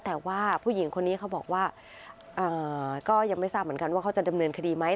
แต่ว่าผู้หญิงคนนี้เขาบอกว่าก็ยังไม่ทราบเหมือนกันว่าเขาจะดำเนินคดีไหม